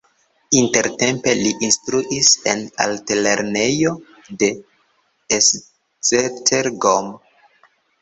Intertempe li instruis en altlernejo de Esztergom.